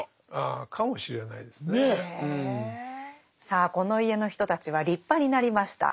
さあこの家の人たちは立派になりました。